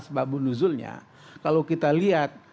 asbabun nuzulnya kalau kita lihat